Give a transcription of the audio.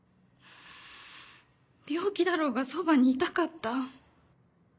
病気だろうがそばにいたかった。